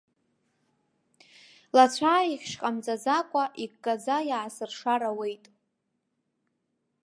Лацәааихьшь ҟамҵаӡакәа иккаӡа иаасыршар ауеит.